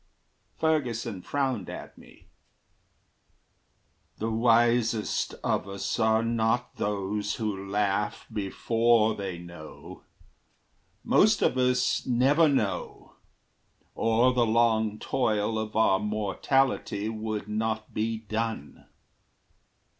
Ferguson frowned at me: "The wisest of us are not those who laugh Before they know. Most of us never know Or the long toil of our mortality Would not be done.